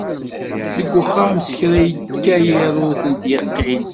Deg uxxam s kra yekka yiḍ ur tent-yeqqin.